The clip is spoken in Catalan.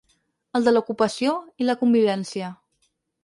El de l’ocupació, i la convivència.